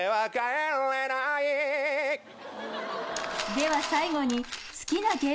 では最後に。